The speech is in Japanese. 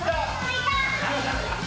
いた！